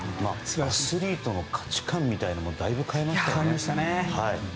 アスリートの価値観をだいぶ変えましたよね。